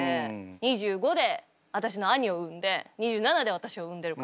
２５で私の兄を産んで２７で私を産んでるから。